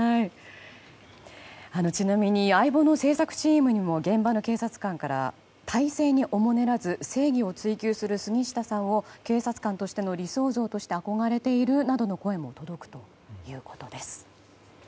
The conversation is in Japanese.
ちなみに「相棒」の製作チームにも体制におもねらず正義を追求する杉下さんを警察官としての理想像として憧れているとの声も届いているということです。